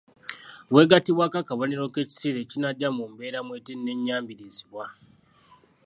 Bw’egattibwako akabonero k’ekiseera ekinajja mu mbeera mw’etenneeyambirizibwa.